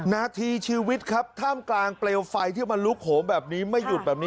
นาทีชีวิตครับท่ามกลางเปลวไฟที่มันลุกโหมแบบนี้ไม่หยุดแบบนี้